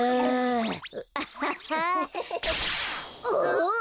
お！